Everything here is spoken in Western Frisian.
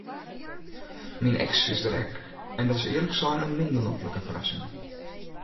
Myn eks is der ek en dat is earlik sein in minder noflike ferrassing.